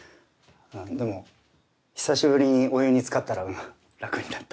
でも久しぶりにお湯に浸かったら楽になった。